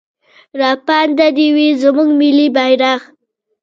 راپانده دې وي زموږ ملي بيرغ.